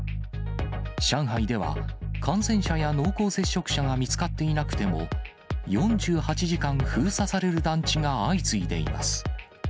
上海では、感染者や濃厚接触者が見つかっていなくても、４８時間封鎖される団地が相次いでいます。